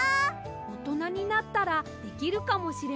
おとなになったらできるかもしれませんね！